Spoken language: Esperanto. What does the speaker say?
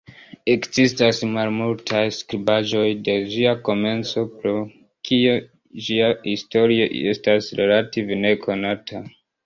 Ekzistas malmultaj skribaĵoj de ĝia komenco, pro kio ĝia historio estas relative nekonata.